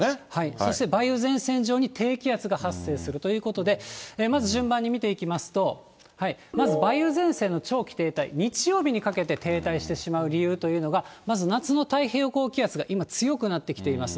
そして梅雨前線上に低気圧が発生するということで、まず順番に見ていきますと、まず、梅雨前線の長期停滞、日曜日にかけて停滞してしまう理由というのが、まず夏の太平洋高気圧が今、強くなってきています。